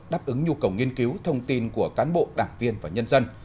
đáp ứng nhu cầu nghiên cứu thông tin của cán bộ đảng viên và nhân dân